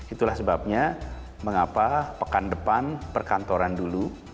itulah sebabnya mengapa pekan depan perkantoran dulu